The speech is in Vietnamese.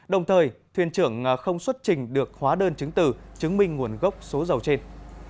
đồng thời thuyền trưởng không xuất trình được hóa đơn chứng từ chứng minh nguồn gốc số dầu trên